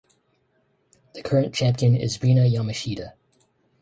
The current champion is Rina Yamashita.